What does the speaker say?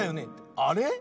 あれ？